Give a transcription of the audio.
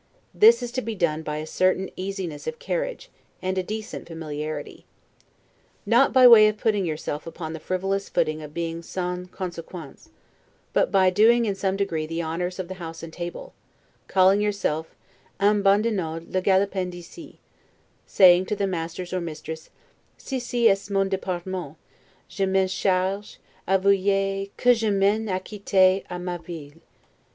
This is to be done by a certain easiness of carriage, and a decent familiarity. Not by way of putting yourself upon the frivolous footing of being 'sans consequence', but by doing in some degree, the honors of the house and table, calling yourself 'en badinant le galopin d'ici', saying to the masters or mistress, 'ceci est de mon departement; je m'en charge; avouez, que je m'en acquitte a merveille.